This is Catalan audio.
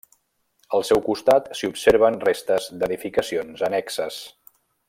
Al seu costat s'hi observen restes d'edificacions annexes.